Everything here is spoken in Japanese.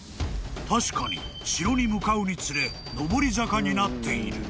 ［確かに城に向かうにつれ上り坂になっている］